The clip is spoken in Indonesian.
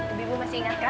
itu ibu masih ingat kan